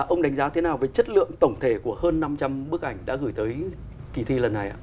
ông đánh giá thế nào về chất lượng tổng thể của hơn năm trăm linh bức ảnh đã gửi tới kỳ thi lần này ạ